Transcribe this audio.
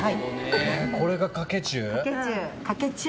・これが「かけ中」？